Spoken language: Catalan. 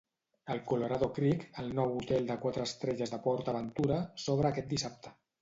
El Colorado Creek, el nou hotel de quatre estrelles de PortAventura, s'obre aquest dissabte.